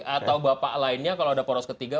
atau bapak lainnya kalau ada poros ketiga